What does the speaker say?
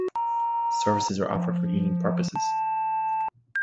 Services are offered for healing purposes.